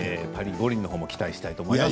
五輪も期待したいと思います。